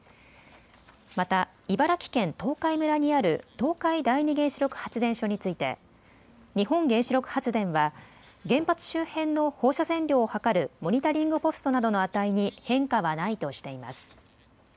また茨城県東海村にある東海第二原子力発電所について日本原子力発電は原発周辺の放射線量を測るモニタリングポストなどの値に変化はないとしています。